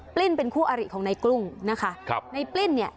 ลิ้นเป็นคู่อริของในกลุ้งนะคะครับในปลิ้นเนี่ย